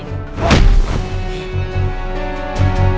sampai rumah dicek ya